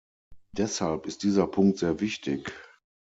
Deshalb ist dieser Punkt sehr wichtig.